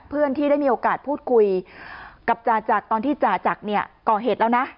เพื่อนที่ได้มีโอกาสพูดคุยกับจ่าจักรตอนที่จ่าจักรเนี่ยก่อเหตุแล้วนะ